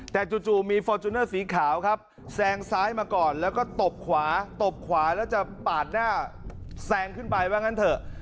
แต่จู่มีฟอร์จูเนอร์สีขาวครับแซงซ้ายมาก่อนแล้วก็ตบขวาตบขวาแล้วจะปาดหน้าแซงขึ้นไปว่างั้นเถอะ